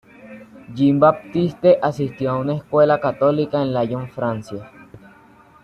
Jean-Baptiste asistió a una escuela católica en Lyon, Francia.